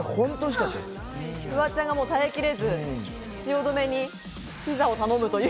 フワちゃんが耐えきれず、汐留にピザを頼むという。